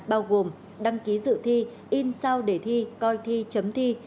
bao gồm đăng ký dự thi in sao để thi coi thi chấm thi